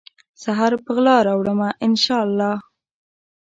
سحر په غلا راوړمه ، ان شا الله